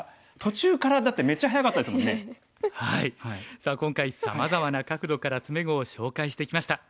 さあ今回さまざまな角度から詰碁を紹介してきました。